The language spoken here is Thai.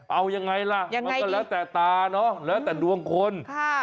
เอายังไงล่ะยังไงดีมันก็แล้วแต่ตาเนาะแล้วแต่ดวงคนค่ะ